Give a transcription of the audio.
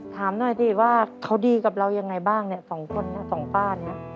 ถามหน่อยสิว่าเขาดีกับเรายังไงบ้างเนี่ยสองคนสองป้าเนี่ย